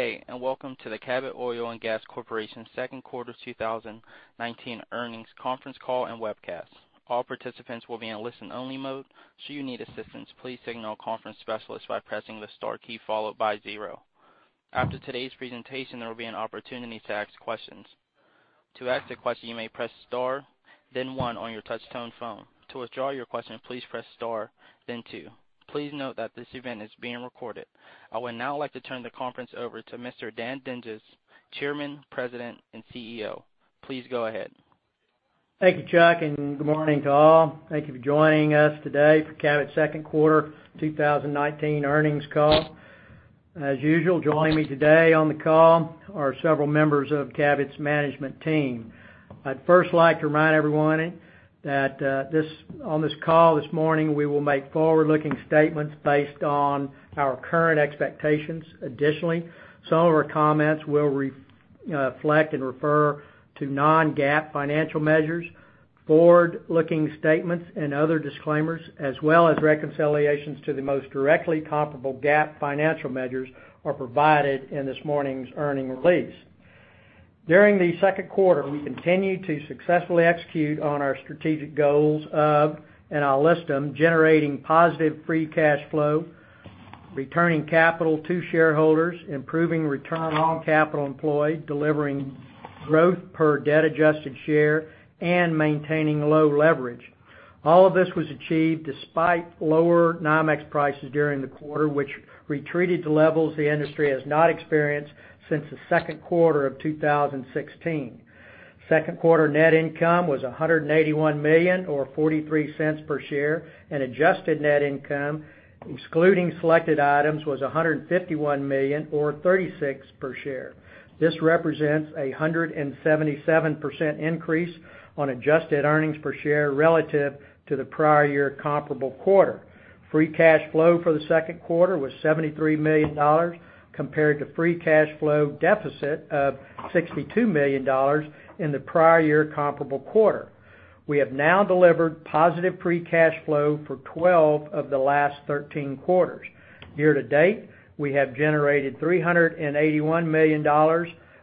Hey, welcome to the Cabot Oil & Gas Corporation second quarter 2019 earnings conference call and webcast. All participants will be in listen only mode. If you need assistance, please signal a conference specialist by pressing the star key followed by zero. After today's presentation, there will be an opportunity to ask questions. To ask a question, you may press star then one on your touch tone phone. To withdraw your question, please press star then two. Please note that this event is being recorded. I would now like to turn the conference over to Mr. Dan Dinges, Chairman, President, and CEO. Please go ahead. Thank you, Chuck, and good morning to all. Thank you for joining us today for Cabot's second quarter 2019 earnings call. As usual, joining me today on the call are several members of Cabot's management team. I'd first like to remind everyone that on this call this morning, we will make forward-looking statements based on our current expectations. Additionally, some of our comments will reflect and refer to non-GAAP financial measures, forward-looking statements, and other disclaimers, as well as reconciliations to the most directly comparable GAAP financial measures are provided in this morning's earning release. During the second quarter, we continued to successfully execute on our strategic goals of, and I'll list them, generating positive free cash flow, returning capital to shareholders, improving return on capital employed, delivering growth per debt-adjusted share, and maintaining low leverage. All of this was achieved despite lower NYMEX prices during the quarter, which retreated to levels the industry has not experienced since the second quarter of 2016. Second quarter net income was $181 million, or $0.43 per share, and adjusted net income, excluding selected items, was $151 million or $0.36 per share. This represents 177% increase on adjusted earnings per share relative to the prior year comparable quarter. Free cash flow for the second quarter was $73 million compared to free cash flow deficit of $62 million in the prior year comparable quarter. We have now delivered positive free cash flow for 12 of the last 13 quarters. Year-to-date, we have generated $381 million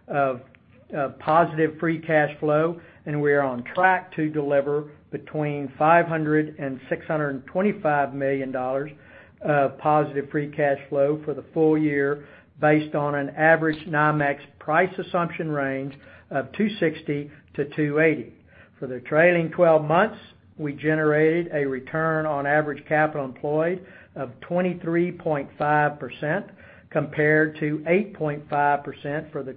of positive free cash flow, and we are on track to deliver between $500 million and $625 million of positive free cash flow for the full year based on an average NYMEX price assumption range of $260-$280. For the trailing 12 months, we generated a return on average capital employed of 23.5% compared to 8.5% for the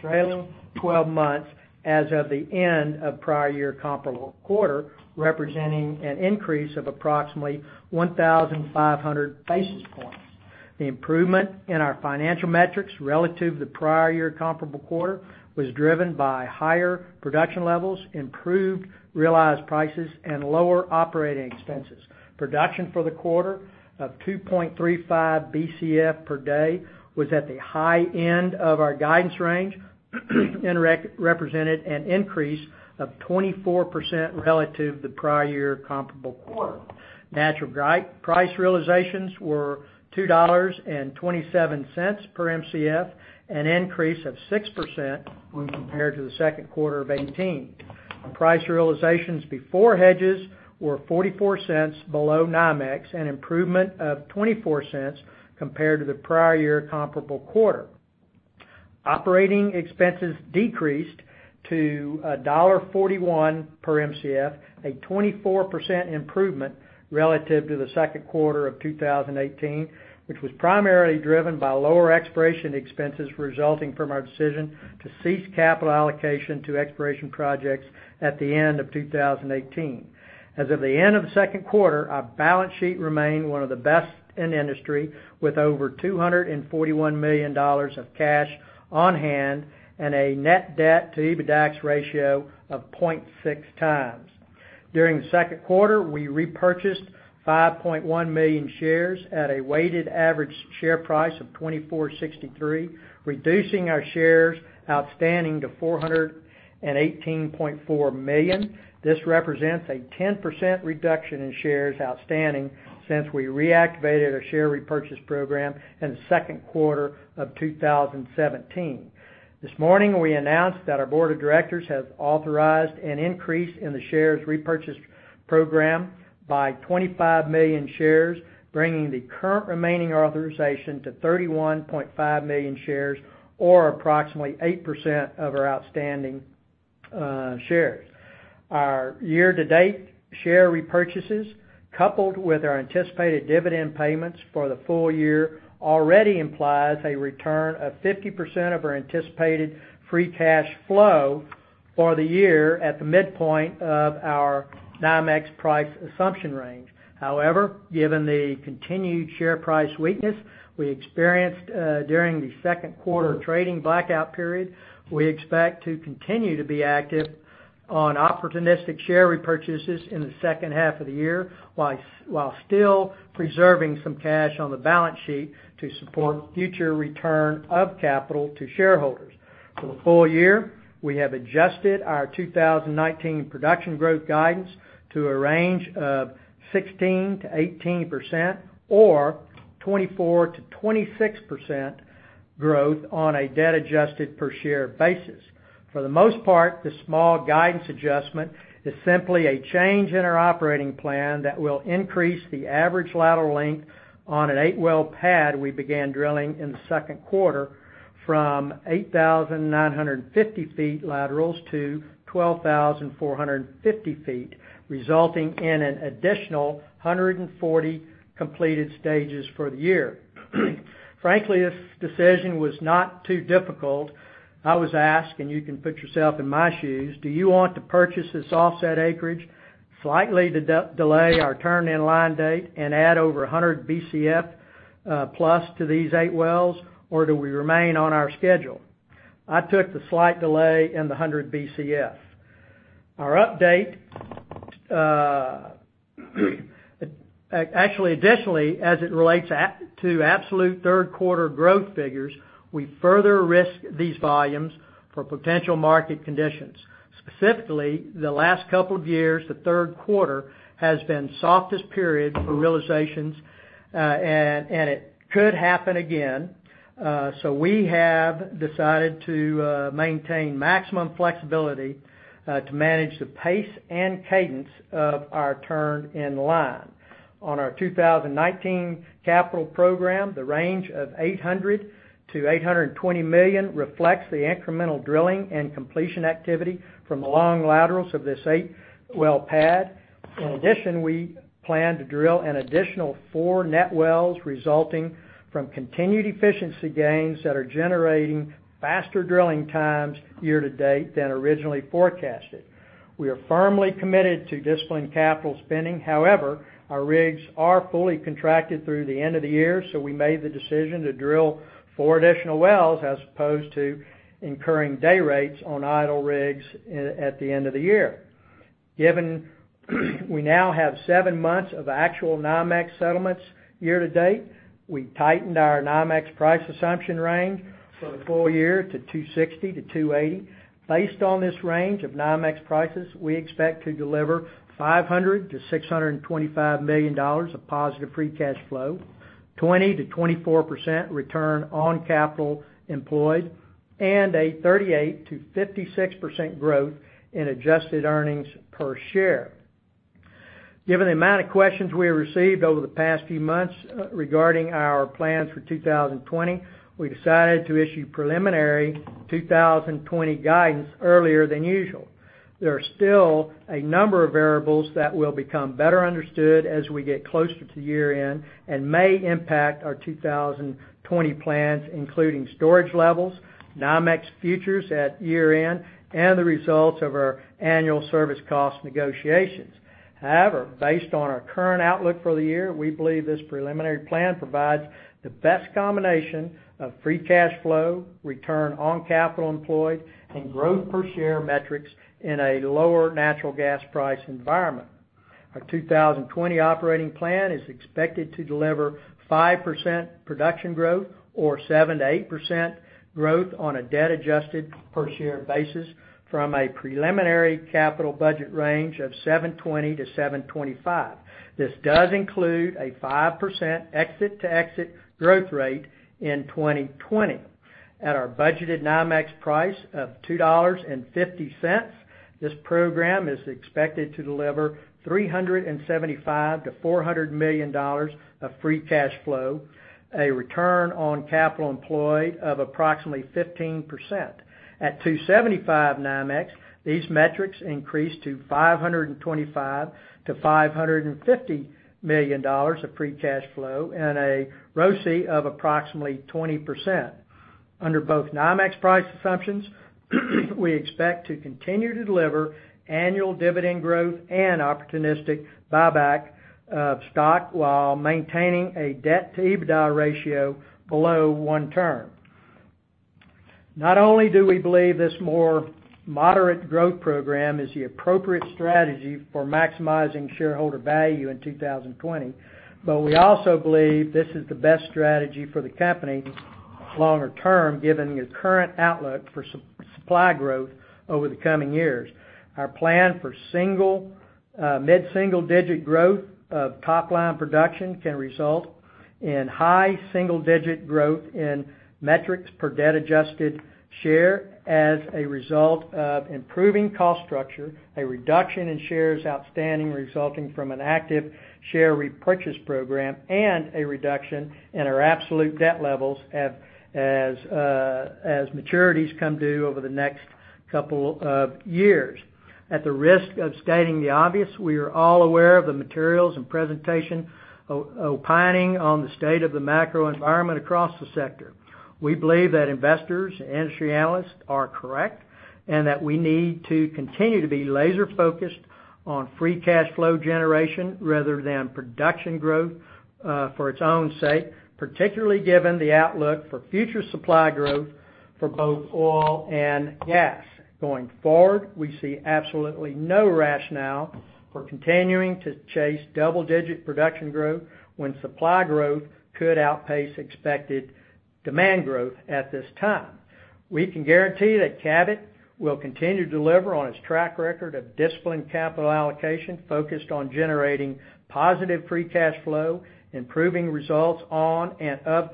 trailing 12 months as of the end of prior year comparable quarter, representing an increase of approximately 1,500 basis points. The improvement in our financial metrics relative to the prior year comparable quarter was driven by higher production levels, improved realized prices, and lower operating expenses. Production for the quarter of 2.35 Bcf per day was at the high end of our guidance range and represented an increase of 24% relative to the prior year comparable quarter. Natural price realizations were $2.27 per Mcf, an increase of 6% when compared to the second quarter of 2018. Price realizations before hegdes were $0.44 below NYMEX, an improvement of $0.24 compared to the prior year comparable quarter. Operating expenses decreased to $1.41 per Mcf, a 24% improvement relative to the second quarter of 2018, which was primarily driven by lower exploration expenses resulting from our decision to cease capital allocation to exploration projects at the end of 2018. As of the end of the second quarter, our balance sheet remained one of the best in the industry, with over $241 million of cash on hand and a net debt to EBITDAX ratio of 0.6x. During the second quarter, we repurchased 5.1 million shares at a weighted average share price of $24.63, reducing our shares outstanding to 418.4 million. This represents a 10% reduction in shares outstanding since we reactivated our share repurchase program in the second quarter of 2017. This morning, we announced that our board of directors has authorized an increase in the shares repurchase program by 25 million shares, bringing the current remaining authorization to 31.5 million shares, or approximately 8% of our outstanding shares. Our year to date share repurchases, coupled with our anticipated dividend payments for the full year, already implies a return of 50% of our anticipated free cash flow for the year at the midpoint of our NYMEX price assumption range. However, given the continued share price weakness we experienced during the second quarter trading blackout period, we expect to continue to be active on opportunistic share repurchases in the second half of the year, while still preserving some cash on the balance sheet to support future return of capital to shareholders. For the full year, we have adjusted our 2019 production growth guidance to a range of 16%-18%, or 24%-26% growth on a debt adjusted per share basis. For the most part, the small guidance adjustment is simply a change in our operating plan that will increase the average lateral length on an 8-well pad we began drilling in the second quarter from 8,950 feet laterals to 12,450 feet, resulting in an additional 140 completed stages for the year. Frankly, this decision was not too difficult. I was asked, and you can put yourself in my shoes, "Do you want to purchase this offset acreage slightly to delay our turn-in-line date and add over 100 Bcf plus to these eight wells, or do we remain on our schedule?" I took the slight delay and the 100 Bcf. Additionally, as it relates to absolute third quarter growth figures, we further risk these volumes for potential market conditions. Specifically, the last couple of years, the third quarter has been softest period for realizations, and it could happen again. We have decided to maintain maximum flexibility to manage the pace and cadence of our turn-in-line. On our 2019 capital program, the range of $800 million-$820 million reflects the incremental drilling and completion activity from the long laterals of this eight-well pad. We plan to drill an additional four net wells resulting from continued efficiency gains that are generating faster drilling times year to date than originally forecasted. We are firmly committed to disciplined capital spending. Our rigs are fully contracted through the end of the year. We made the decision to drill four additional wells as opposed to incurring day rates on idle rigs at the end of the year. Given we now have seven months of actual NYMEX settlements year to date, we tightened our NYMEX price assumption range for the full year to $260-$280. Based on this range of NYMEX prices, we expect to deliver $500 million-$625 million of positive free cash flow, 20%-24% return on capital employed, and a 38%-56% growth in adjusted earnings per share. Given the amount of questions we have received over the past few months regarding our plans for 2020, we decided to issue preliminary 2020 guidance earlier than usual. There are still a number of variables that will become better understood as we get closer to year-end and may impact our 2020 plans, including storage levels, NYMEX futures at year-end, and the results of our annual service cost negotiations. However, based on our current outlook for the year, we believe this preliminary plan provides the best combination of free cash flow, return on capital employed, and growth per share metrics in a lower natural gas price environment. Our 2020 operating plan is expected to deliver 5% production growth or 7%-8% growth on a debt adjusted per share basis from a preliminary capital budget range of $720 million-$725 million. This does include a 5% exit-to-exit growth rate in 2020. At our budgeted NYMEX price of $2.50, this program is expected to deliver $375 million-$400 million of free cash flow, a return on capital employed of approximately 15%. At $2.75 NYMEX, these metrics increase to $525 million-$550 million of free cash flow and a ROC of approximately 20%. Under both NYMEX price assumptions, we expect to continue to deliver annual dividend growth and opportunistic buyback of stock while maintaining a debt to EBITDA ratio below one term. Not only do we believe this more moderate growth program is the appropriate strategy for maximizing shareholder value in 2020, but we also believe this is the best strategy for the company longer term, given the current outlook for supply growth over the coming years. Our plan for mid-single-digit growth of top-line production can result in high single-digit growth in metrics per debt adjusted share as a result of improving cost structure, a reduction in shares outstanding resulting from an active share repurchase program, and a reduction in our absolute debt levels as maturities come due over the next couple of years. At the risk of stating the obvious, we are all aware of the materials and presentation opining on the state of the macro environment across the sector. We believe that investors and industry analysts are correct, and that we need to continue to be laser focused on free cash flow generation rather than production growth for its own sake, particularly given the outlook for future supply growth for both oil and gas. Going forward, we see absolutely no rationale for continuing to chase double-digit production growth when supply growth could outpace expected demand growth at this time. We can guarantee that Cabot will continue to deliver on its track record of disciplined capital allocation focused on generating positive free cash flow, improving results on and of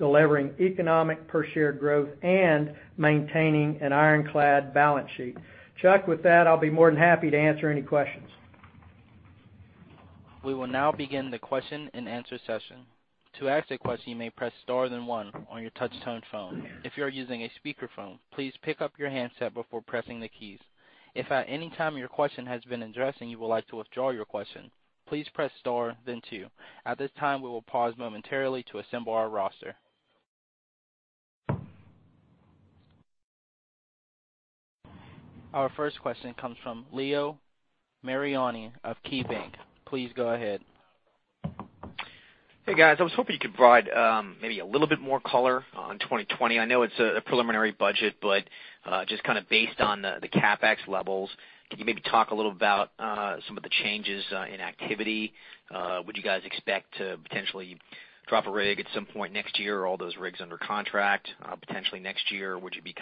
capital, delivering economic per share growth, and maintaining an ironclad balance sheet. Chuck, with that, I'll be more than happy to answer any questions. We will now begin the question and answer session. To ask a question, you may press star then one on your touch-tone phone. If you are using a speakerphone, please pick up your handset before pressing the keys. If at any time your question has been addressed and you would like to withdraw your question, please press star then two. At this time, we will pause momentarily to assemble our roster. Our first question comes from Leo Mariani of KeyBanc. Please go ahead. Hey, guys. I was hoping you could provide maybe a little bit more color on 2020. I know it's a preliminary budget, but just based on the CapEx levels, could you maybe talk a little about some of the changes in activity? Would you guys expect to potentially drop a rig at some point next year? Are all those rigs under contract potentially next year? Would you be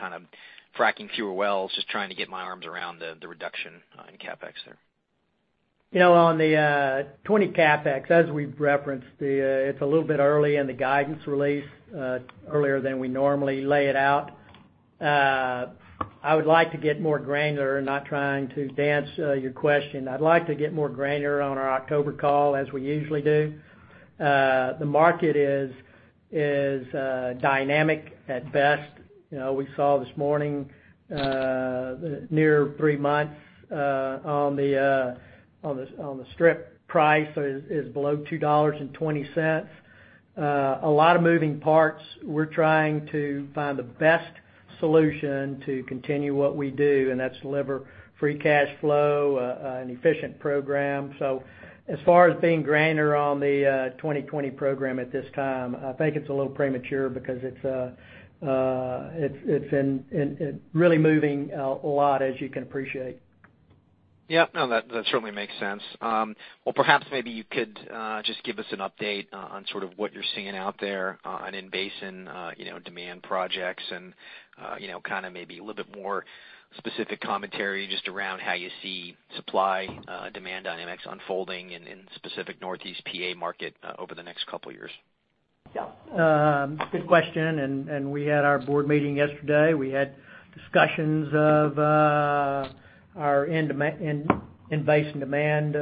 fracking fewer wells? Just trying to get my arms around the reduction in CapEx there. On the 2020 CapEx, as we've referenced, it's a little bit early in the guidance release, earlier than we normally lay it out. I would like to get more granular. Not trying to dance your question. I'd like to get more granular on our October call as we usually do. The market is dynamic at best. We saw this morning, near three months on the strip price is below $2.20. A lot of moving parts. We're trying to find the best solution to continue what we do, and that's deliver free cash flow, an efficient program. As far as being granular on the 2020 program at this time, I think it's a little premature because it's really moving a lot as you can appreciate. Yeah. No, that certainly makes sense. Well, perhaps maybe you could just give us an update on sort of what you're seeing out there on in-basin demand projects and maybe a little bit more specific commentary just around how you see supply demand dynamics unfolding in specific Northeast PA market over the next couple of years. Yeah. Good question. We had our board meeting yesterday. We had discussions of our in-basin demand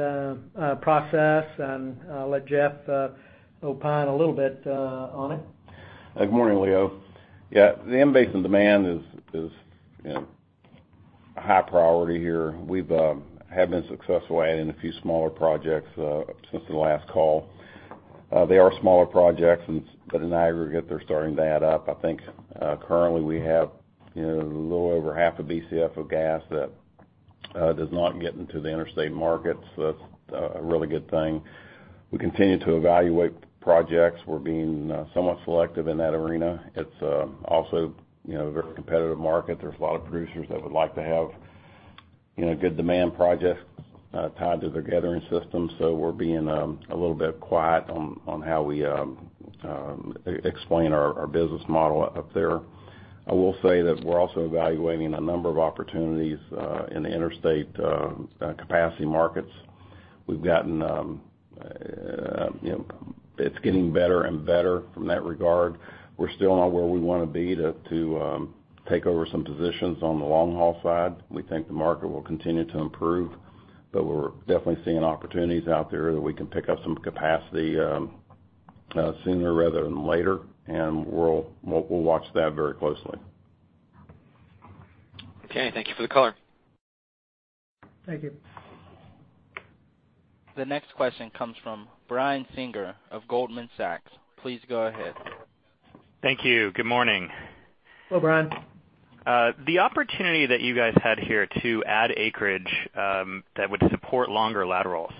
process, and I'll let Jeff opine a little bit on it. Good morning, Leo. Yeah, the in-basin demand is a high priority here. We have been successful adding a few smaller projects since the last call. They are smaller projects, but in aggregate, they're starting to add up. I think currently we have a little over half a Bcf of gas that does not get into the interstate markets. That's a really good thing. We continue to evaluate projects. We're being somewhat selective in that arena. It's also a very competitive market. There's a lot of producers that would like to have good demand projects tied to their gathering system. We're being a little bit quiet on how we explain our business model up there. I will say that we're also evaluating a number of opportunities in the interstate capacity markets. It's getting better and better from that regard. We're still not where we want to be to take over some positions on the long-haul side. We think the market will continue to improve, but we're definitely seeing opportunities out there that we can pick up some capacity sooner rather than later, and we'll watch that very closely. Okay, thank you for the color. Thank you. The next question comes from Brian Singer of Goldman Sachs. Please go ahead. Thank you. Good morning. Hello, Brian. The opportunity that you guys had here to add acreage that would support longer laterals,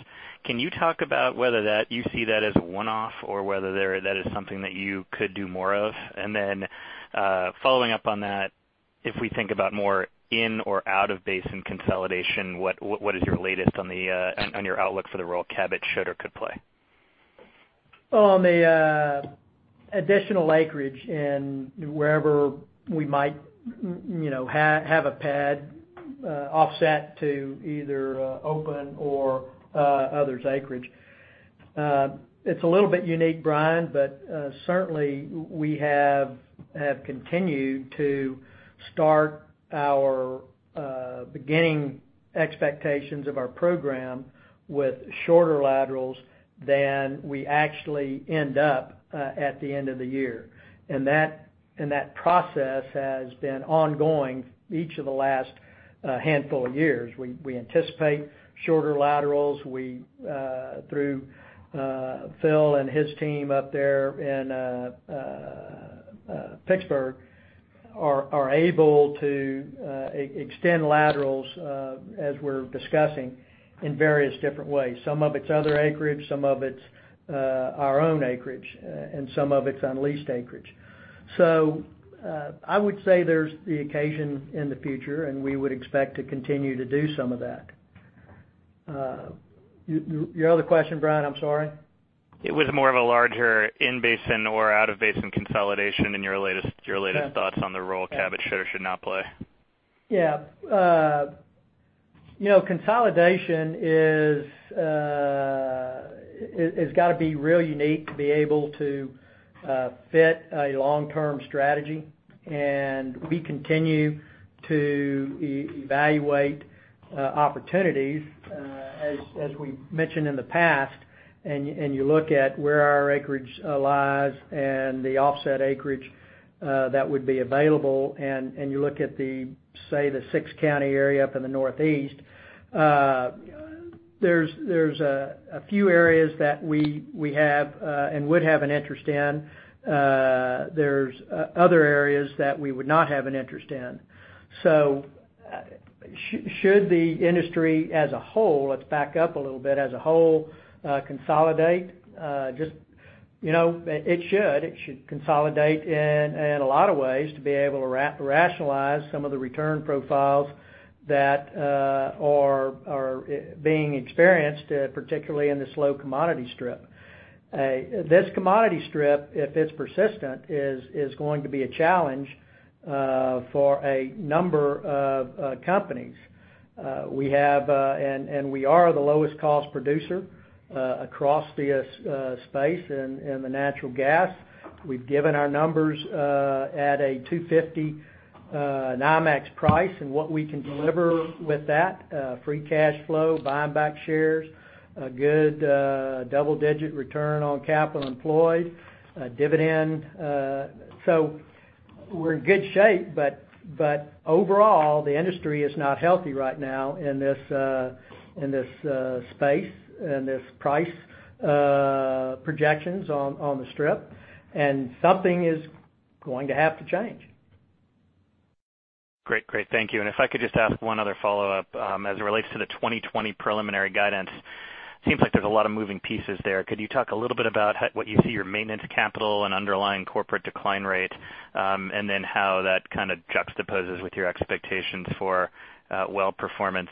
can you talk about whether you see that as one-off or whether that is something that you could do more of? Following up on that, if we think about more in or out of basin consolidation, what is your latest on your outlook for the role Cabot should or could play? The additional acreage and wherever we might have a pad offset to either open or others' acreage. It's a little bit unique, Brian, certainly, we have continued to start our beginning expectations of our program with shorter laterals than we actually end up at the end of the year. That process has been ongoing each of the last handful of years. We anticipate shorter laterals through Phil and his team up there in Pittsburgh, are able to extend laterals as we're discussing in various different ways. Some of it's other acreage, some of it's our own acreage, some of it's on leased acreage. I would say there's the occasion in the future, we would expect to continue to do some of that. Your other question, Brian, I'm sorry? It was more of a larger in-basin or out-of-basin consolidation in your latest thoughts on the role Cabot should or should not play. Yeah. Consolidation has got to be real unique to be able to fit a long-term strategy. We continue to evaluate opportunities as we've mentioned in the past. You look at where our acreage lies and the offset acreage that would be available. You look at the, say, the six-county area up in the northeast. There's a few areas that we have and would have an interest in. There's other areas that we would not have an interest in. Should the industry as a whole, let's back up a little bit, as a whole consolidate? It should. It should consolidate in a lot of ways to be able to rationalize some of the return profiles that are being experienced, particularly in the slow commodity strip. This commodity strip, if it's persistent, is going to be a challenge for a number of companies. We have and we are the lowest cost producer across the space in the natural gas. We've given our numbers at a 250 NYMEX price and what we can deliver with that, free cash flow, buying back shares, a good double-digit return on capital employed, dividend. We're in good shape, but overall, the industry is not healthy right now in this space and this price projections on the strip, and something is going to have to change. Great. Thank you. If I could just ask one other follow-up as it relates to the 2020 preliminary guidance, seems like there's a lot of moving pieces there. Could you talk a little bit about what you see your maintenance capital and underlying corporate decline rate and then how that kind of juxtaposes with your expectations for well performance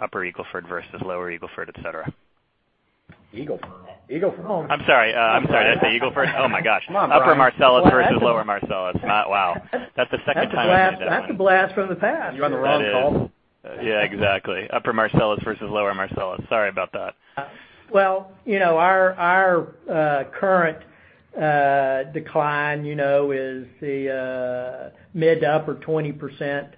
Upper Eagle Ford versus Lower Eagle Ford, et cetera? Eagle Ford? I'm sorry. Did I say Eagle Ford? Oh my gosh. Come on, Brian. Upper Marcellus versus lower Marcellus. Wow. That's the second time. That's a blast from the past. You're on the wrong call. Yeah, exactly. Upper Marcellus versus lower Marcellus. Sorry about that. Well, our current decline is the mid to upper 20%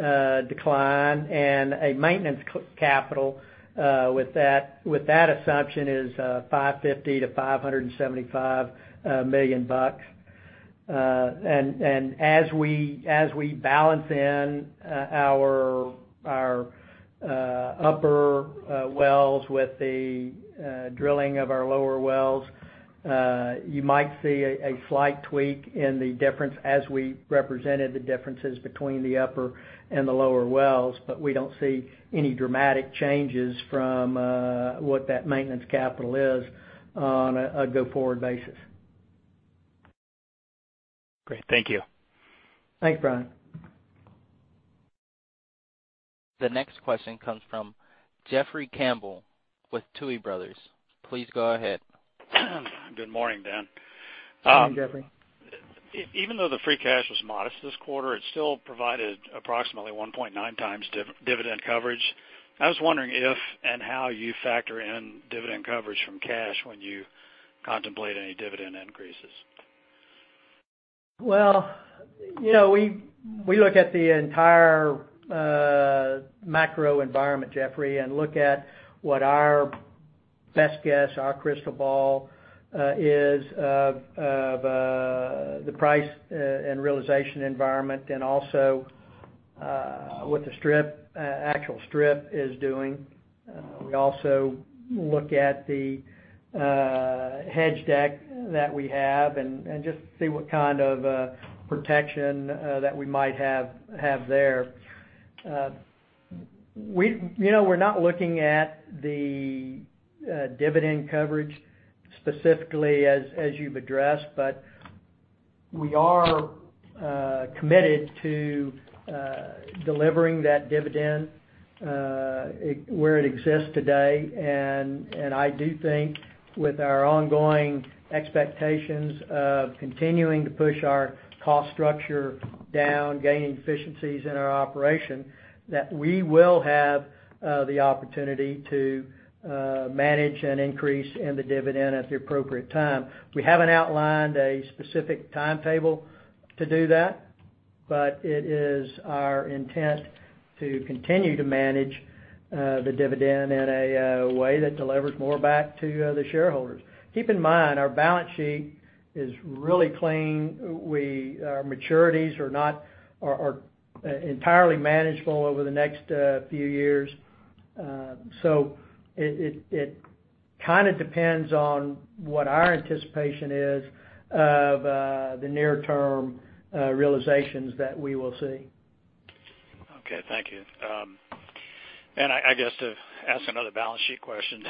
decline, and a maintenance capital with that assumption is $550 million-$575 million. As we balance in our upper wells with the drilling of our lower wells, you might see a slight tweak in the difference as we represented the differences between the upper and the lower wells, but we don't see any dramatic changes from what that maintenance capital is on a go-forward basis. Great. Thank you. Thanks, Brian. The next question comes from Jeffrey Campbell with Tuohy Brothers. Please go ahead. Good morning, Dan. Good morning, Jeffrey. Even though the free cash was modest this quarter, it still provided approximately 1.9 times dividend coverage. I was wondering if and how you factor in dividend coverage from cash when you contemplate any dividend increases. Well, we look at the entire macro environment, Jeffrey, and look at what our best guess, our crystal ball is of the price and realization environment and also what the actual strip is doing. We also look at the hedge deck that we have and just see what kind of protection that we might have there. We're not looking at the dividend coverage specifically as you've addressed, but we are committed to delivering that dividend where it exists today. I do think with our ongoing expectations of continuing to push our cost structure down, gaining efficiencies in our operation, that we will have the opportunity to manage an increase in the dividend at the appropriate time. We haven't outlined a specific timetable to do that, but it is our intent to continue to manage the dividend in a way that delivers more back to the shareholders. Keep in mind, our balance sheet is really clean. Our maturities are entirely manageable over the next few years. It kind of depends on what our anticipation is of the near term realizations that we will see. Okay, thank you. I guess to ask another balance sheet question,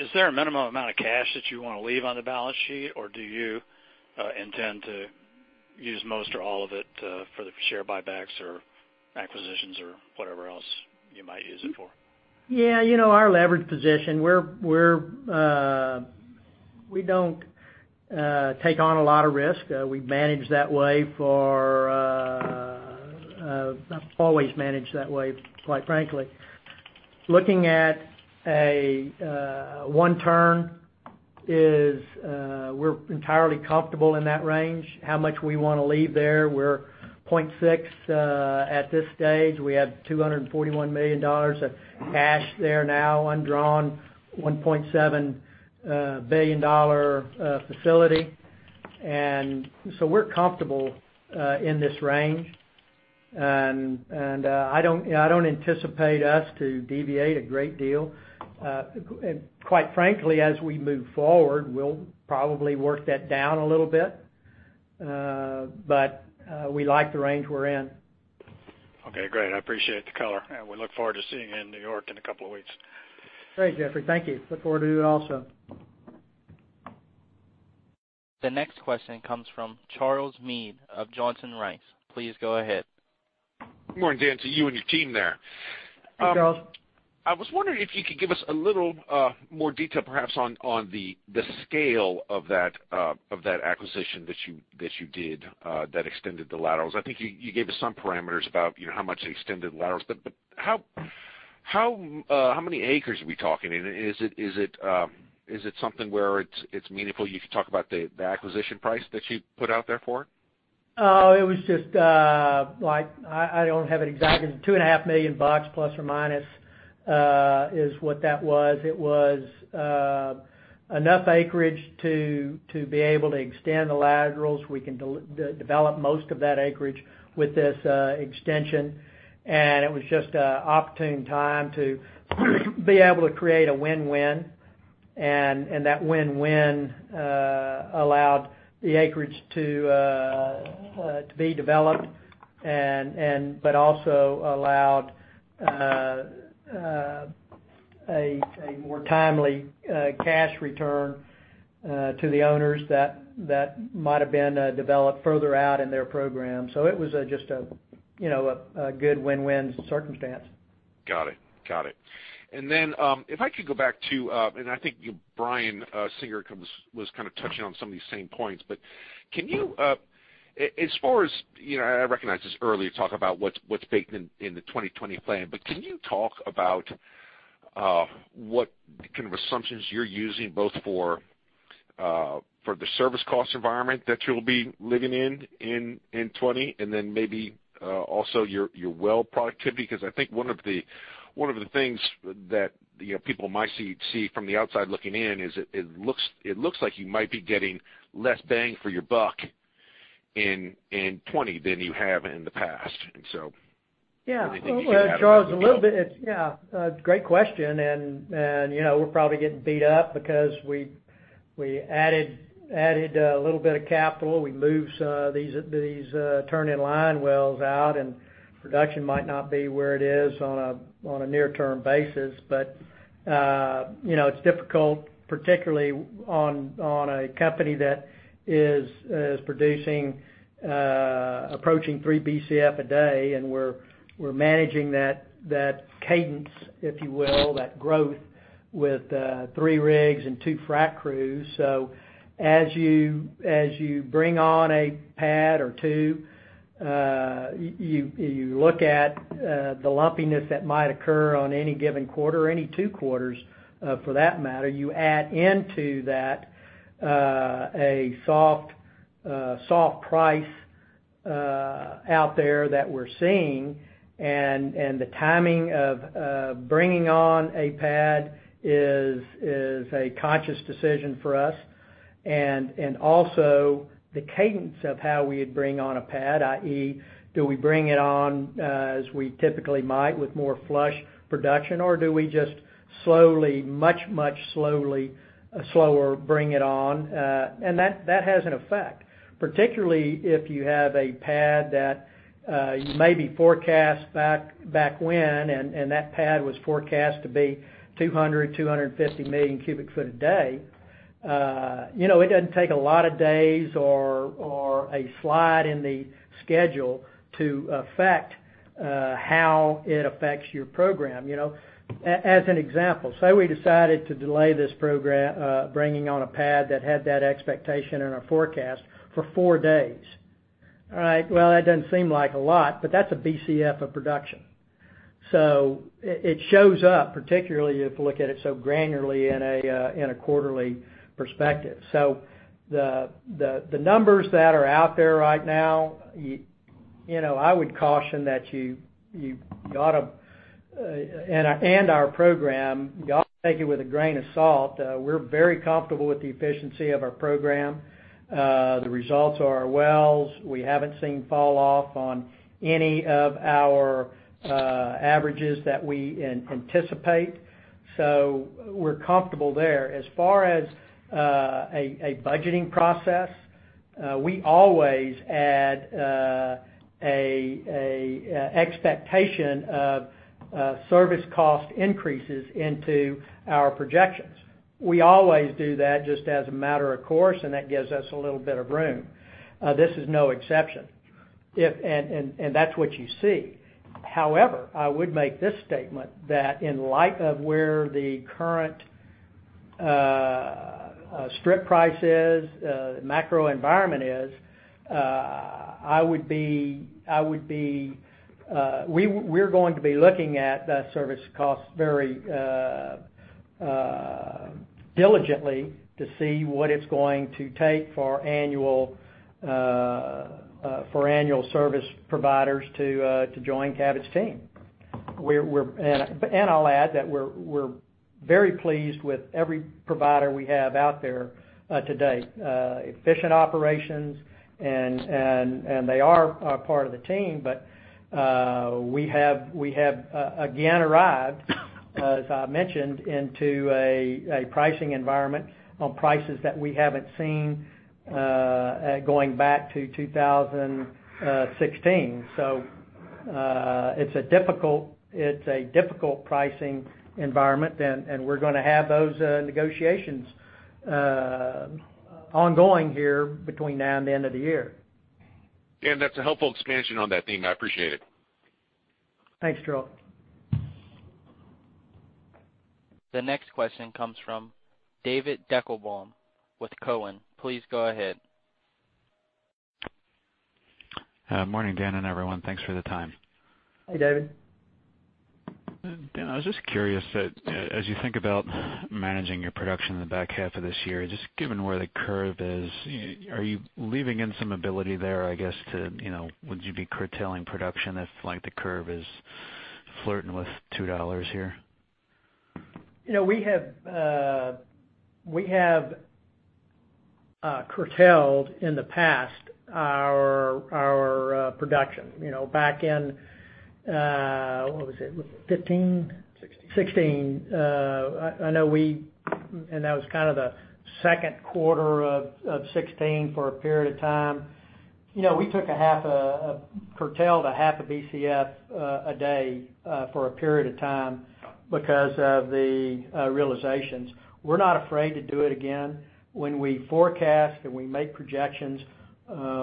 is there a minimum amount of cash that you want to leave on the balance sheet, or do you intend to use most or all of it for the share buybacks or acquisitions or whatever else you might use it for? Yeah. Our leverage position, we don't take on a lot of risk. We've always managed that way, quite frankly. Looking at a one turn is, we're entirely comfortable in that range. How much we want to leave there, we're 0.6 at this stage. We have $241 million of cash there now, undrawn $1.7 billion facility. We're comfortable in this range. I don't anticipate us to deviate a great deal. Quite frankly, as we move forward, we'll probably work that down a little bit. We like the range we're in. Okay, great. I appreciate the color, and we look forward to seeing you in New York in a couple of weeks. Great, Jeffrey. Thank you. Look forward to it also. The next question comes from Charles Meade of Johnson Rice. Please go ahead. Good morning, Dan, to you and your team there. Hi, Charles. I was wondering if you could give us a little more detail perhaps on the scale of that acquisition that you did that extended the laterals. I think you gave us some parameters about how much it extended the laterals, but how many acres are we talking? Is it something where it's meaningful? You can talk about the acquisition price that you put out there for it? It was just like, I don't have it exact, but two and a half million bucks ±, is what that was. It was enough acreage to be able to extend the laterals. We can develop most of that acreage with this extension. It was just an opportune time to be able to create a win-win, and that win-win allowed the acreage to be developed, but also allowed a more timely cash return to the owners that might've been developed further out in their program. It was just a good win-win circumstance. Got it. If I could go back to, and I think Brian Singer was kind of touching on some of these same points, but can you, as far as I recognize this earlier talk about what's baked in the 2020 plan, but can you talk about what kind of assumptions you're using both for the service cost environment that you'll be living in in 2020, and then maybe also your well productivity? I think one of the things that people might see from the outside looking in is it looks like you might be getting less bang for your buck in 2020 than you have in the past. Yeah. Do you think you have- Charles, Great question. We're probably getting beat up because we added a little bit of capital. We moved some of these turn in line wells out, and production might not be where it is on a near term basis, but it's difficult particularly on a company that is producing, approaching three Bcf a day, and we're managing that cadence, if you will, that growth with three rigs and two frac crews. As you bring on a pad or two, you look at the lumpiness that might occur on any given quarter or any two quarters, for that matter. You add into that a soft price out there that we're seeing, and the timing of bringing on a pad is a conscious decision for us. Also the cadence of how we would bring on a pad, i.e., do we bring it on as we typically might with more flush production, or do we just slowly, much, much slower bring it on? That has an effect, particularly if you have a pad that you maybe forecast back when, and that pad was forecast to be 200, 250 million cubic foot a day. It doesn't take a lot of days or a slide in the schedule to affect how it affects your program. As an example, say we decided to delay this program, bringing on a pad that had that expectation in our forecast for four days. All right. Well, that doesn't seem like a lot, but that's a Bcf of production. It shows up particularly if you look at it so granularly in a quarterly perspective. The numbers that are out there right now, I would caution that you ought to take it with a grain of salt. We're very comfortable with the efficiency of our program. The results of our wells, we haven't seen fall off on any of our averages that we anticipate. We're comfortable there. As far as a budgeting process. We always add a expectation of service cost increases into our projections. We always do that just as a matter of course, and that gives us a little bit of room. This is no exception. That's what you see. However, I would make this statement that in light of where the current strip price is, the macro environment is, we're going to be looking at that service cost very diligently to see what it's going to take for annual service providers to join Cabot's team. I'll add that we're very pleased with every provider we have out there to date, efficient operations, and they are a part of the team, but we have again arrived, as I mentioned, into a pricing environment on prices that we haven't seen going back to 2016. It's a difficult pricing environment and we're going to have those negotiations ongoing here between now and the end of the year. Dan, that's a helpful expansion on that theme. I appreciate it. Thanks, Charles. The next question comes from David Deckelbaum with Cowen. Please go ahead. Morning, Dan and everyone. Thanks for the time. Hey, David. Dan, I was just curious that as you think about managing your production in the back half of this year, just given where the curve is, are you leaving in some ability there, I guess, would you be curtailing production if the curve is flirting with $2 here? We have curtailed in the past our production. Back in, what was it, 2015? 2016. 2016. That was the second quarter of 2016 for a period of time. We curtailed a half a Bcf a day for a period of time because of the realizations. We're not afraid to do it again. When we forecast and we make projections,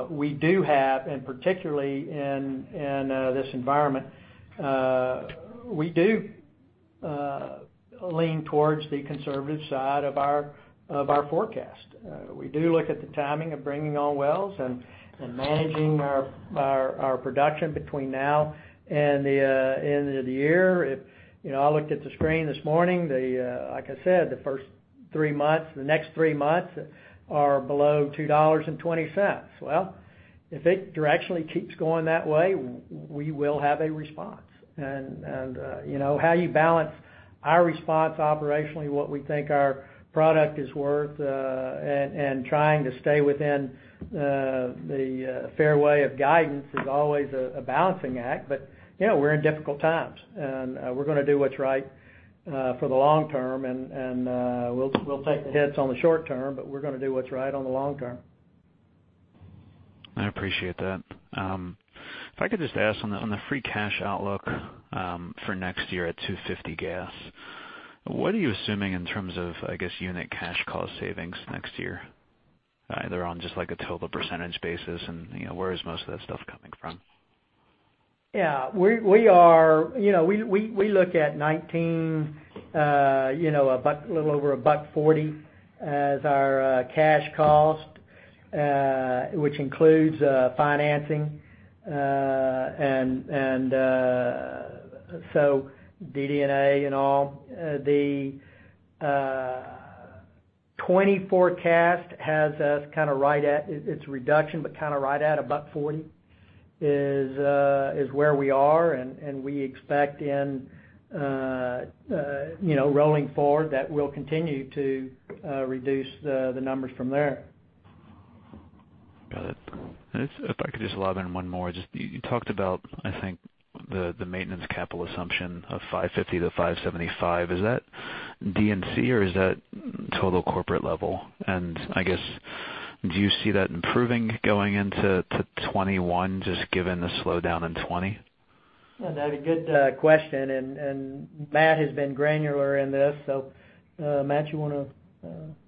we do have, and particularly in this environment, we do lean towards the conservative side of our forecast. We do look at the timing of bringing on wells and managing our production between now and the end of the year. I looked at the screen this morning, like I said, the next three months are below $2.20. Well, if it directionally keeps going that way, we will have a response. How you balance our response operationally, what we think our product is worth, and trying to stay within the fairway of guidance is always a balancing act. We're in difficult times, and we're going to do what's right for the long term, and we'll take the hits on the short term, but we're going to do what's right on the long term. I appreciate that. If I could just ask on the free cash outlook for next year at $2.50 gas, what are you assuming in terms of, I guess, unit cash cost savings next year, either on just like a total percentage basis and where is most of that stuff coming from? Yeah. We look at 2019, a little over a $1.40 as our cash cost, which includes financing. DD&A and all. The 2020 forecast has us kind of right at, it's a reduction, but kind of right at $1.40 is where we are. We expect rolling forward that we'll continue to reduce the numbers from there. Got it. If I could just lob in one more, just you talked about, I think the maintenance capital assumption of $550-$575. Is that D&C or is that total corporate level? I guess, do you see that improving going into 2021, just given the slowdown in 2020? That's a good question. Matt has been granular in this, so Matt, you want to?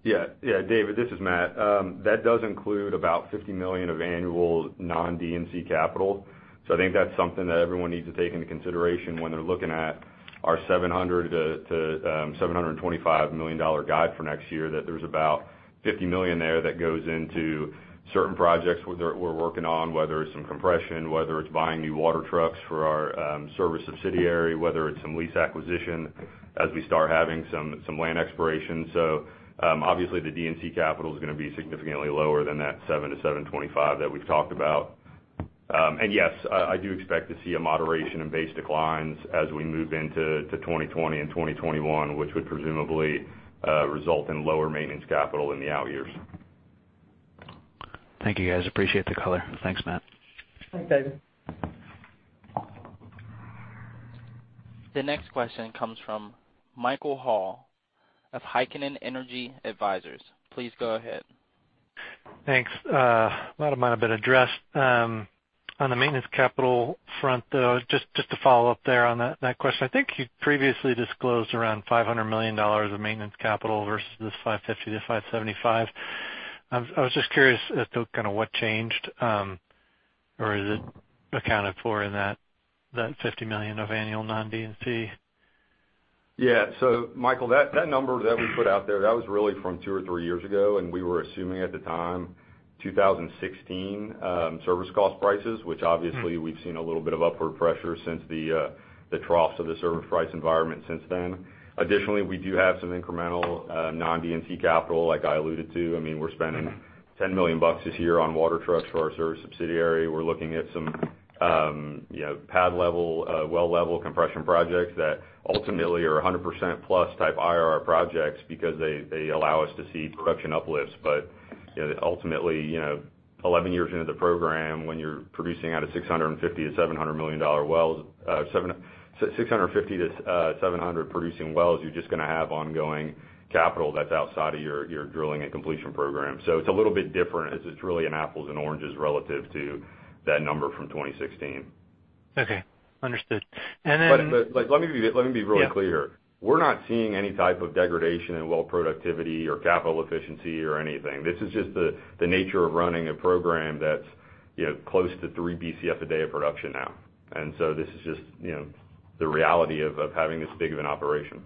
Yeah. David, this is Matt. That does include about $50 million of annual non-D&C capital. I think that's something that everyone needs to take into consideration when they're looking at our $700 million-$725 million guide for next year, that there's about $50 million there that goes into certain projects we're working on, whether it's some compression, whether it's buying new water trucks for our service subsidiary, whether it's some lease acquisition as we start having some land exploration. Obviously the D&C capital's going to be significantly lower than that $700 million-$725 million that we've talked about. Yes, I do expect to see a moderation in base declines as we move into 2020 and 2021, which would presumably result in lower maintenance capital in the out years. Thank you guys. Appreciate the color. Thanks, Matt. Thanks, David. The next question comes from Michael Hall of Heikkinen Energy Advisors. Please go ahead. Thanks. A lot of mine have been addressed. On the maintenance capital front, though, just to follow up there on that question. I think you previously disclosed around $500 million of maintenance capital versus this $550-$575. I was just curious as to what changed, or is it accounted for in that $50 million of annual non-D&C? Yeah. Michael, that number that we put out there, that was really from two or three years ago, and we were assuming at the time 2016 service cost prices, which obviously we've seen a little bit of upward pressure since the trough of the service price environment since then. Additionally, we do have some incremental non-D&C capital, like I alluded to. We're spending $10 million this year on water trucks for our service subsidiary. We're looking at some pad level, well level compression projects that ultimately are 100%+ type IRR projects because they allow us to see production uplifts. Ultimately, 11 years into the program, when you're producing out of 650 to 700 producing wells, you're just going to have ongoing capital that's outside of your drilling and completion program. It's a little bit different. It's really an apples and oranges relative to that number from 2016. Okay. Understood. Let me be really clear. Yeah. We're not seeing any type of degradation in well productivity or capital efficiency or anything. This is just the nature of running a program that's close to three Bcf a day of production now. This is just the reality of having this big of an operation.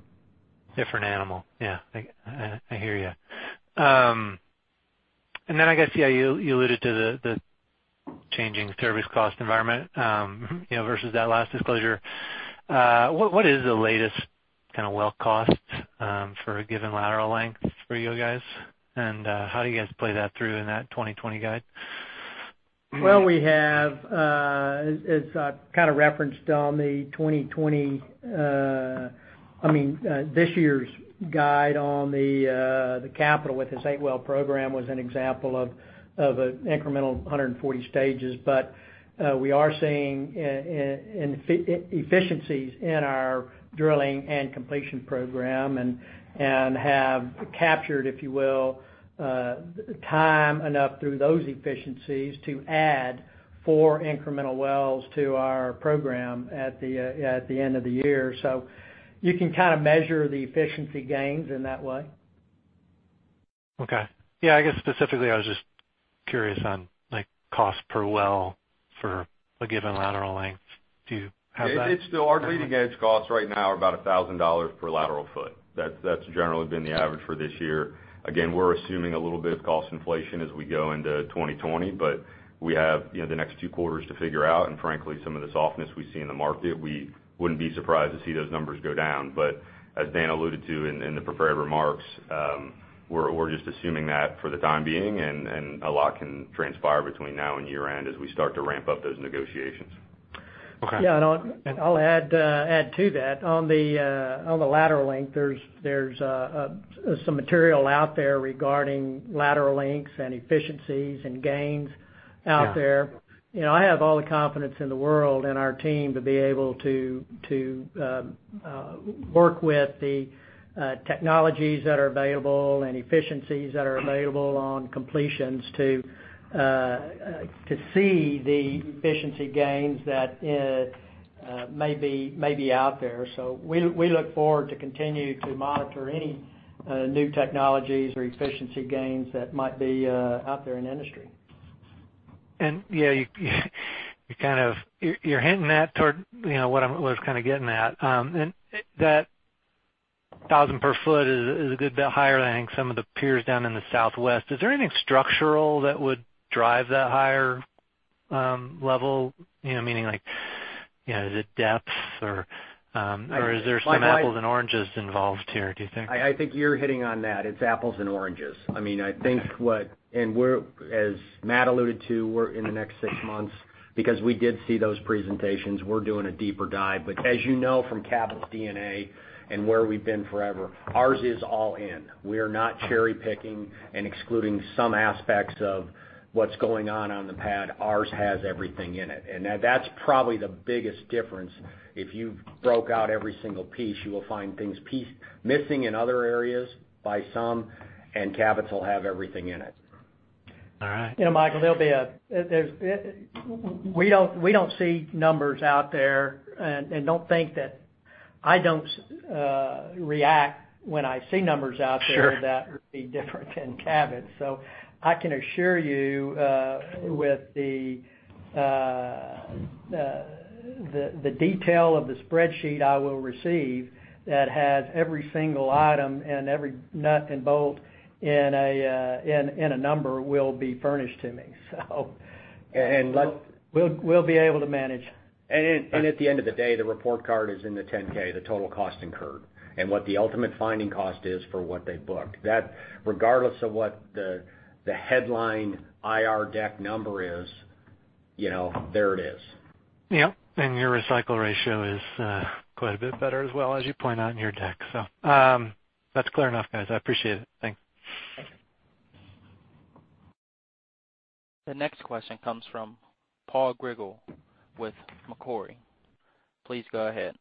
Different animal. Yeah. I hear you. I guess, yeah, you alluded to the changing service cost environment versus that last disclosure. What is the latest well cost for a given lateral length for you guys, and how do you guys play that through in that 2020 guide? Well, we have, as I referenced on the 2020 This year's guide on the capital with this eight-well program was an example of an incremental 140 stages. We are seeing efficiencies in our drilling and completion program, and have captured, if you will, time enough through those efficiencies to add four incremental wells to our program at the end of the year. You can measure the efficiency gains in that way. Okay. Yeah, I guess specifically, I was just curious on cost per well for a given lateral length. Do you have that? Our leading edge costs right now are about $1,000 per lateral foot. That's generally been the average for this year. Again, we're assuming a little bit of cost inflation as we go into 2020, but we have the next two quarters to figure out, and frankly, some of the softness we see in the market, we wouldn't be surprised to see those numbers go down. As Dan alluded to in the prepared remarks, we're just assuming that for the time being, and a lot can transpire between now and year-end as we start to ramp up those negotiations. Okay. Yeah, I'll add to that. On the lateral length, there's some material out there regarding lateral lengths and efficiencies and gains out there. Yeah. I have all the confidence in the world in our team to be able to work with the technologies that are available and efficiencies that are available on completions to see the efficiency gains that may be out there. We look forward to continue to monitor any new technologies or efficiency gains that might be out there in the industry. Yeah, you're hinting that toward what I was getting at. That $1,000 per foot is a good bit higher than I think some of the peers down in the Southwest. Is there anything structural that would drive that higher level? Meaning, is it depths or is there some apples and oranges involved here, do you think? I think you're hitting on that. It's apples and oranges. Okay. As Matt alluded to, we're in the next six months, because we did see those presentations, we're doing a deeper dive. As you know from Cabot's DNA and where we've been forever, ours is all in. We are not cherry-picking and excluding some aspects of what's going on on the pad. Ours has everything in it. That's probably the biggest difference. If you broke out every single piece, you will find things missing in other areas by some, and Cabot will have everything in it. All right. Michael, we don't see numbers out there, and don't think that I don't react when I see numbers out there. Sure. That would be different than Cabot. I can assure you with the detail of the spreadsheet I will receive that has every single item and every nut and bolt in a number will be furnished to me. We'll be able to manage. At the end of the day, the report card is in the 10K, the total cost incurred, and what the ultimate finding cost is for what they booked. Regardless of what the headline IR deck number is, there it is. Yep. Your recycle ratio is quite a bit better as well, as you point out in your deck. That's clear enough, guys. I appreciate it. Thanks. The next question comes from Paul Grigel with Macquarie. Please go ahead.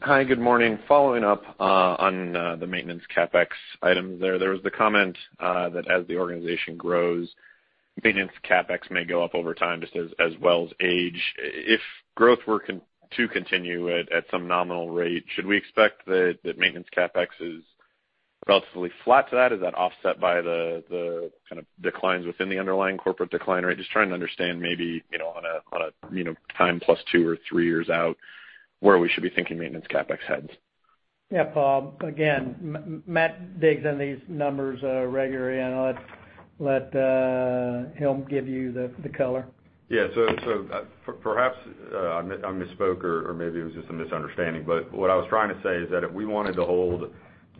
Hi, good morning. Following up on the maintenance CapEx items there. There was the comment that as the organization grows, maintenance CapEx may go up over time just as wells age. If growth were to continue at some nominal rate, should we expect that maintenance CapEx is relatively flat to that? Is that offset by the kind of declines within the underlying corporate decline rate? Just trying to understand maybe on a time plus two or three years out, where we should be thinking maintenance CapEx heads. Yeah, Paul. Again, Matt digs in these numbers regularly, and I'll let him give you the color. Yeah. Perhaps I misspoke or maybe it was just a misunderstanding, but what I was trying to say is that if we wanted to hold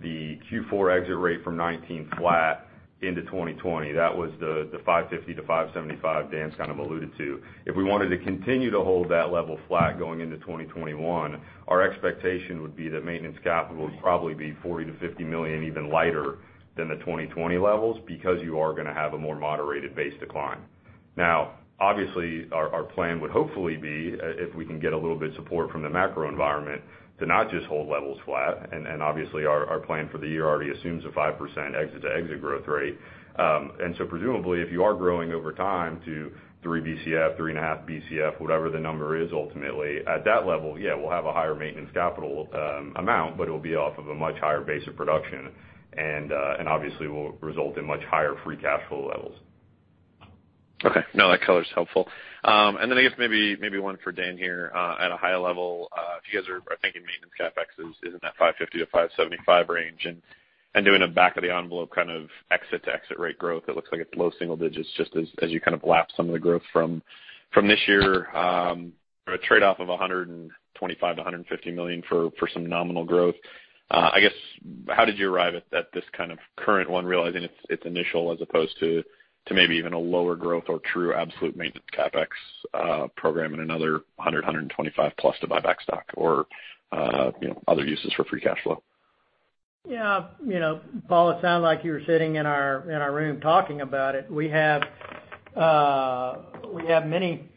the Q4 exit rate from 2019 flat into 2020, that was the 550 to 575 Dan's kind of alluded to. If we wanted to continue to hold that level flat going into 2021, our expectation would be that maintenance capital would probably be $40 million-$50 million even lighter than the 2020 levels, because you are going to have a more moderated base decline. Obviously, our plan would hopefully be, if we can get a little bit of support from the macro environment, to not just hold levels flat. Obviously our plan for the year already assumes a 5% exit-to-exit growth rate. Presumably, if you are growing over time to 3 Bcf, 3.5 Bcf, whatever the number is ultimately, at that level, yeah, we'll have a higher maintenance capital amount, but it will be off of a much higher base of production, and obviously will result in much higher free cash flow levels. Okay. No, that color is helpful. Then I guess maybe one for Dan here. At a high level, if you guys are thinking maintenance CapEx is in that $550 million-$575 million range, and doing a back of the envelope kind of exit-to-exit rate growth, it looks like it's low single digits, just as you kind of lap some of the growth from this year, or a trade-off of $125 million-$150 million for some nominal growth. I guess, how did you arrive at this kind of current one, realizing it's initial as opposed to maybe even a lower growth or true absolute maintenance CapEx program and another $100 million, $125 million+ to buy back stock or other uses for free cash flow? Yeah. Paul, it sounded like you were sitting in our room talking about it. We have many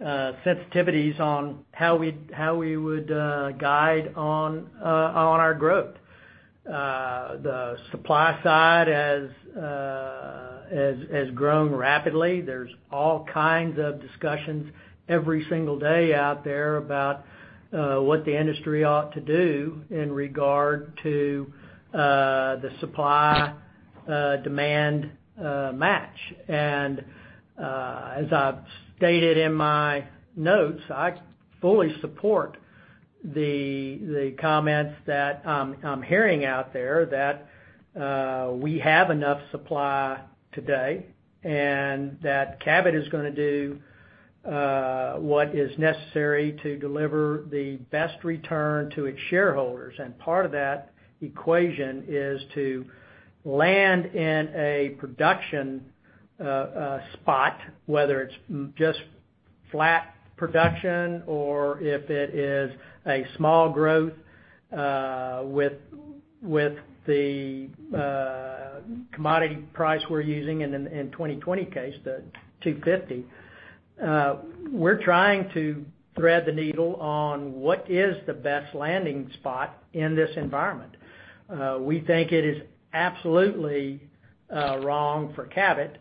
sensitivities on how we would guide on our growth. The supply side has grown rapidly. There's all kinds of discussions every single day out there about what the industry ought to do in regard to the supply/demand match. As I've stated in my notes, I fully support the comments that I'm hearing out there that we have enough supply today, and that Cabot is going to do what is necessary to deliver the best return to its shareholders. Part of that equation is to land in a production spot, whether it's just flat production or if it is a small growth with the commodity price we're using in 2020 case, the $2.50. We're trying to thread the needle on what is the best landing spot in this environment. We think it is absolutely wrong for Cabot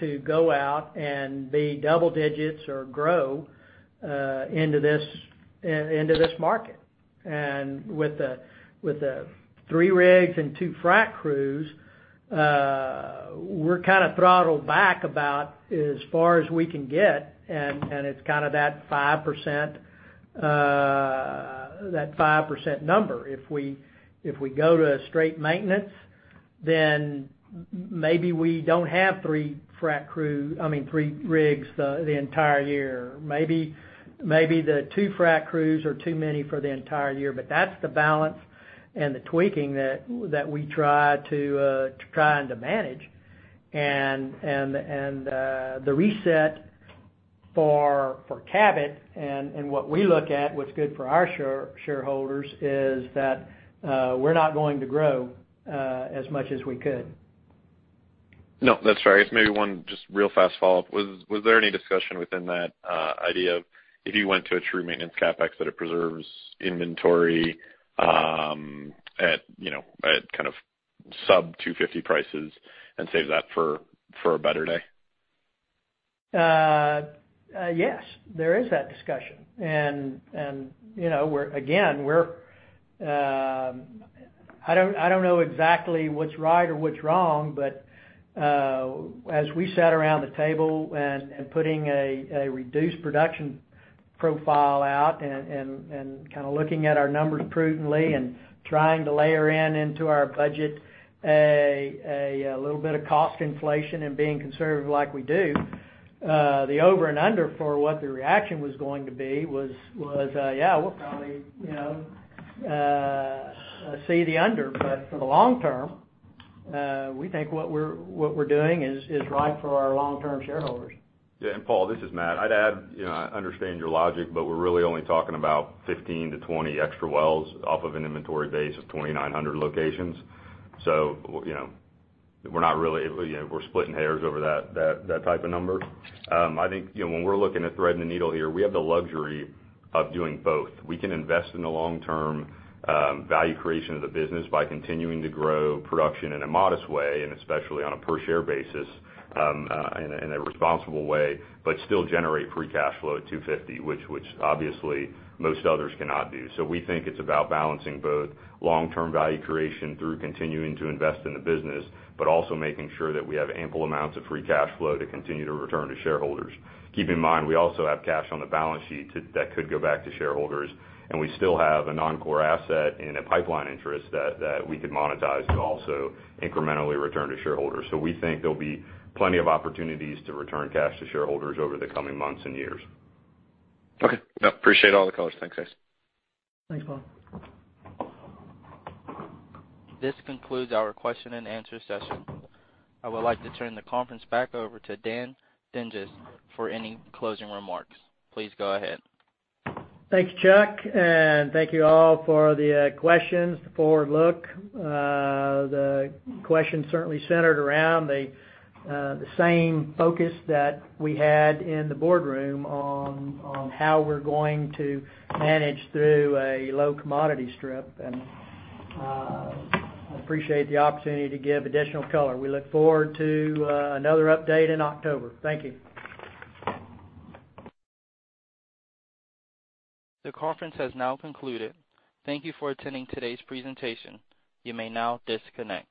to go out and be double digits or grow into this market. With the three rigs and two frac crews, we're kind of throttled back about as far as we can get, and it's kind of that 5% number. If we go to a straight maintenance, maybe we don't have three rigs the entire year. Maybe the two frac crews are too many for the entire year. That's the balance and the tweaking that we try to manage. The reset for Cabot, and what we look at, what's good for our shareholders, is that we're not going to grow as much as we could. No, that's fair. I guess maybe one just real fast follow-up. Was there any discussion within that idea of if you went to a true maintenance CapEx, that it preserves inventory at kind of sub $2.50 prices and save that for a better day? Yes, there is that discussion. Again, I don't know exactly what's right or what's wrong, but as we sat around the table and putting a reduced production profile out and kind of looking at our numbers prudently and trying to layer in into our budget a little bit of cost inflation and being conservative like we do, the over and under for what the reaction was going to be was, yeah, we'll probably see the under. For the long term, we think what we're doing is right for our long term shareholders. Yeah. Paul, this is Matt. I'd add, I understand your logic, but we're really only talking about 15-20 extra wells off of an inventory base of 2,900 locations. We're not really splitting hairs over that type of number. I think when we're looking at threading the needle here, we have the luxury of doing both. We can invest in the long-term value creation of the business by continuing to grow production in a modest way, and especially on a per share basis in a responsible way, but still generate free cash flow at $2.50, which obviously most others cannot do. We think it's about balancing both long-term value creation through continuing to invest in the business, but also making sure that we have ample amounts of free cash flow to continue to return to shareholders. Keep in mind, we also have cash on the balance sheet that could go back to shareholders, and we still have a non-core asset in a pipeline interest that we could monetize to also incrementally return to shareholders. We think there'll be plenty of opportunities to return cash to shareholders over the coming months and years. Okay. No, appreciate all the colors. Thanks, guys. Thanks, Paul. This concludes our question and answer session. I would like to turn the conference back over to Dan Dinges for any closing remarks. Please go ahead. Thanks, Chuck, and thank you all for the questions, the forward look. The questions certainly centered around the same focus that we had in the boardroom on how we're going to manage through a low commodity strip. I appreciate the opportunity to give additional color. We look forward to another update in October. Thank you. The conference has now concluded. Thank you for attending today's presentation. You may now disconnect.